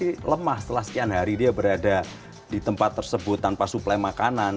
karena kita sudah lama setelah sekian hari dia berada di tempat tersebut tanpa suplai makanan